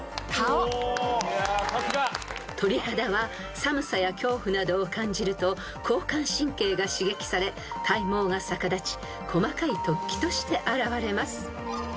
［鳥肌は寒さや恐怖などを感じると交感神経が刺激され体毛が逆立ち細かい突起として現れます］